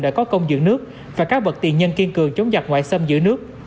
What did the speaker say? đã có công dưỡng nước và các vật tiền nhân kiên cường chống giặc ngoại xâm giữa nước